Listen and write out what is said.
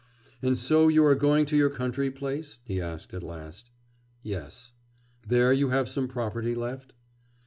'And so you are going to your country place?' he asked at last. 'Yes.' 'There you have some property left?